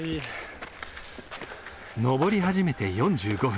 登り始めて４５分。